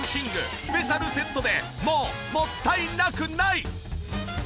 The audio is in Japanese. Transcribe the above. スペシャルセットでもうもったいなくない！